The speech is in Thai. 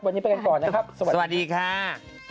วันนี้ไปกันก่อนนะครับสวัสดีค่ะสวัสดีค่ะ